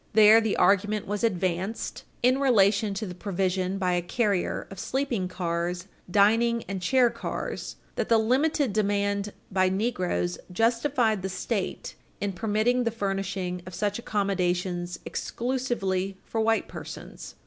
There, the argument was advanced, in relation to the provision by a carrier of sleeping cars, dining, and chair cars, that the limited demand by negroes justified the State in permitting the furnishing of such accommodations exclusively for white persons.